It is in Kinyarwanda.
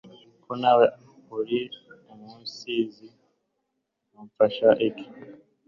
ko nawe uri umusizi wamfahs iki